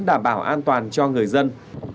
đảm bảo an toàn cho người dân